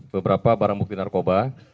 beberapa barang mungkin narkoba